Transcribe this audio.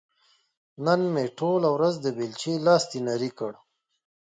نن مې ټوله ورځ د بېلچې لاستي نري کړ.